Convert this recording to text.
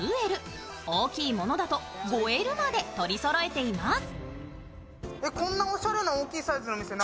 大きいものだと５Ｌまで取りそろえています。